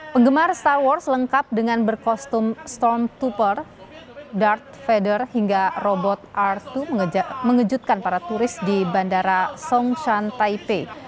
penggemar star wars lengkap dengan berkostum stormtrooper dartfeather hingga robot r dua mengejutkan para turis di bandara songshan taipei